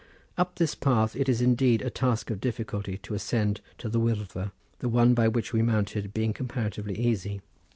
Up this path it is indeed a task of difficulty to ascend to the Wyddfa, the one by which we mounted being comparatively easy.